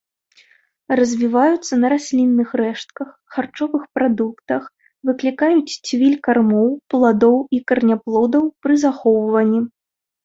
Развіваюцца на раслінных рэштках, харчовых прадуктах, выклікаюць цвіль кармоў, пладоў і караняплодаў пры захоўванні.